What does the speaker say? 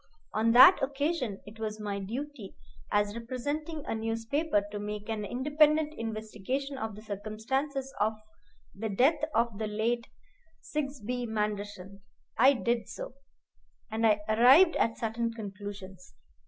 On that occasion it was my duty, as representing a newspaper, to make an independent investigation of the circumstances of the death of the late Sigsbee Manderson. I did so, and I arrived at certain conclusions.